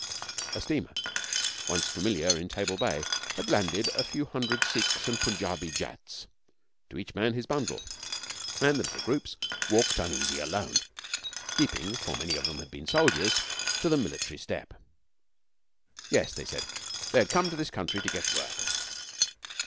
A steamer once familiar in Table Bay had landed a few hundred Sikhs and Punjabi Jats to each man his bundle and the little groups walked uneasy alone, keeping, for many of them had been soldiers, to the military step. Yes, they said they had come to this country to get work.